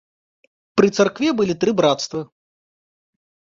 Пры царкве былі тры брацтвы.